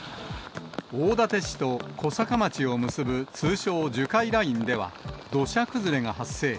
大館市と小坂町を結ぶ通称、樹海ラインでは、土砂崩れが発生。